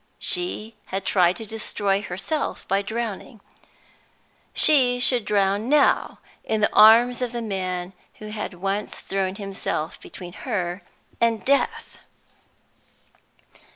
She had tried to destroy herself by drowning; she should drown now, in the arms of the man who had once thrown himself between her and death!